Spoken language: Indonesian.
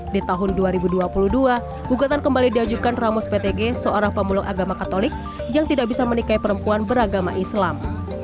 di tahun dua ribu dua puluh dua gugatan kembali diajukan ramos ptg seorang pemulung agama katolik yang tidak bisa menikahi perempuan beragama islam